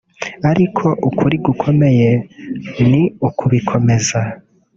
Ariko ukuri gukomeye ni ukubikomeza